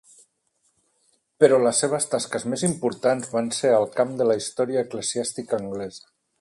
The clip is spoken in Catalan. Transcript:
Però les seves tasques més importants van ser al camp de la història eclesiàstica anglesa.